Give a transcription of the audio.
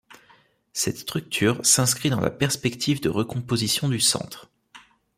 Cette structure s'inscrit dans la perspective de recomposition du centre.